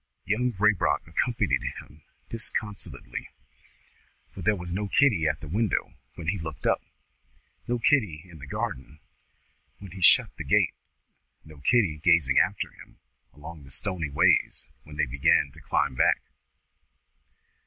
Young Raybrock accompanied him disconsolately; for there was no Kitty at the window when he looked up, no Kitty in the garden when he shut the gate, no Kitty gazing after them along the stony ways when they begin to climb back.